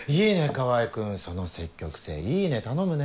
川合君その積極性いいね頼むね。